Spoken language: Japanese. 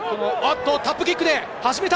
タップキックで始めた。